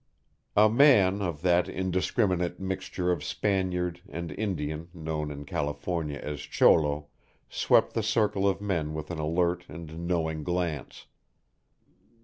A man of that indiscriminate mixture of Spaniard and Indian known in California as cholo swept the circle of men with an alert and knowing glance.